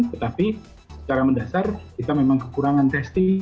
tetapi secara mendasar kita memang kekurangan testing